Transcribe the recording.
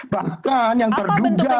bahkan yang terduga telah melaporkan